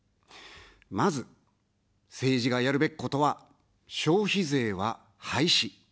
まず、政治がやるべきことは、消費税は廃止。